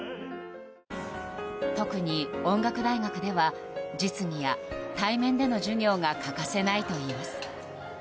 特に音楽大学では実技や対面での授業が欠かせないといいます。